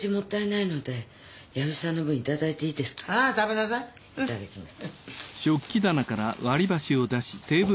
いただきます。